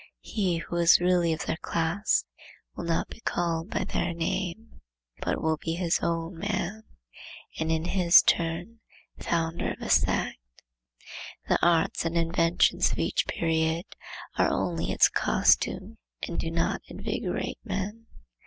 He who is really of their class will not be called by their name, but will be his own man, and in his turn the founder of a sect. The arts and inventions of each period are only its costume and do not invigorate men.